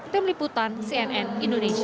tim liputan cnn indonesia